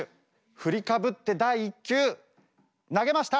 振りかぶって第１球！投げました！